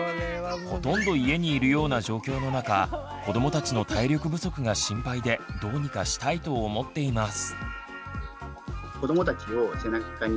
ほとんど家にいるような状況の中子どもたちの体力不足が心配でどうにかしたいと思っています。